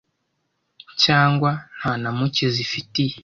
cyangwa nta na mucye zifitiye